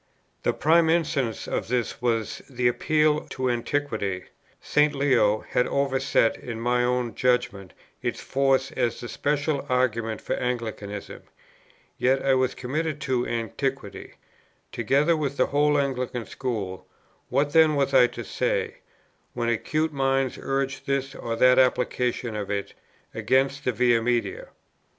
The prime instance of this was the appeal to Antiquity; St. Leo had overset, in my own judgment, its force as the special argument for Anglicanism; yet I was committed to Antiquity, together with the whole Anglican school; what then was I to say, when acute minds urged this or that application of it against the Via Media?